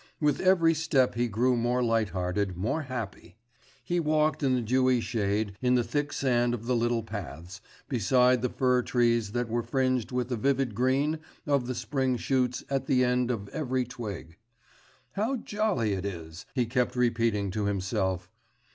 With every step he grew more light hearted, more happy; he walked in the dewy shade in the thick sand of the little paths, beside the fir trees that were fringed with the vivid green of the spring shoots at the end of every twig. 'How jolly it is!' he kept repeating to himself.